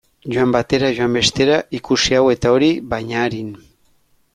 Joan batera, joan bestera, ikusi hau eta hori, baina arin.